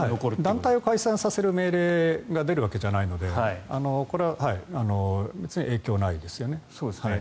団体を解散させる命令が出るわけではないので影響はないですね。